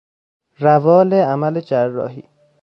روال عمل جراحی